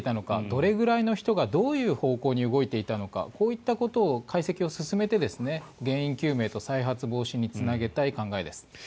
どれぐらいの人がどういう方向に動いていたのかこういったことを解析を進めて原因究明と再発防止につなげたい考えです。